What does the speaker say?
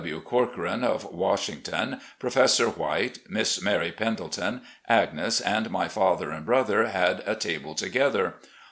W. Corcoran, of Washington, Professor White, Miss Mary Pendleton, Agnes, and my father and brother had a table together.